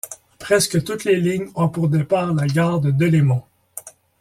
Presque toutes les lignes ont pour départ la gare de Delémont.